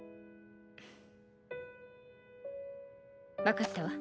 分かったわ。